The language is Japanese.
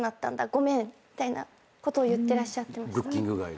「ごめん」みたいなことを言ってらっしゃってました。